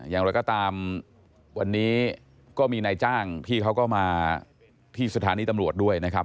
อย่างไรก็ตามวันนี้ก็มีนายจ้างที่เขาก็มาที่สถานีตำรวจด้วยนะครับ